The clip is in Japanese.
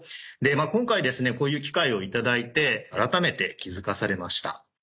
今回こういう機会を頂いて改めて気付かされました。